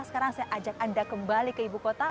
sekarang saya ajak anda kembali ke ibu kota